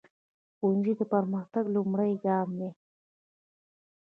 ښوونځی د پرمختګ لومړنی ګام دی.